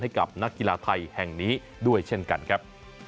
ให้กับนักกีฬาไทยแห่งนี้ด้วยเช่นกันครับ